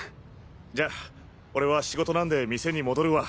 じゃ俺は仕事なんで店に戻るわ。